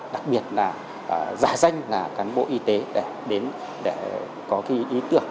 đặc biệt là giả danh là cán bộ y tế để có ý tưởng